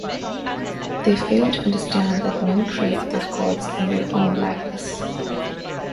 They failed to understand that men create their gods in their own likeness.